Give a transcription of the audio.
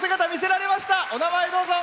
お名前をどうぞ。